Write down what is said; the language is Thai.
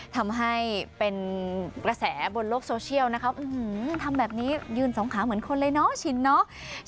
ทำให้เป็นกระแสบนโลกโซเชียลนะครับทำแบบนี้ยืนสองขาเหมือนคนเลยเนาะชินเนาะ